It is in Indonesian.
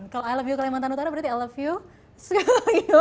kalau i love you kalimantan utara berarti i love you segala bagaimana oke